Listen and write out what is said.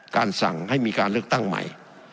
สั่งให้มีการเลือกตั้งใหม่